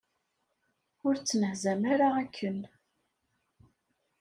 Ur ttnehzam ara akken!